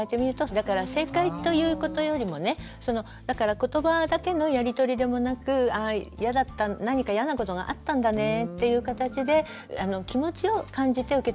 だから正解ということよりもねだからことばだけのやり取りでもなく何かイヤなことがあったんだねっていうかたちで気持ちを感じて受け止めてあげる。